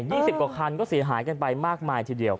สิบกว่าคันก็เสียหายกันไปมากมายทีเดียว